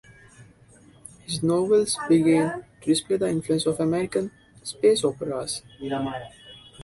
His novels began to display the influence of American "space operas".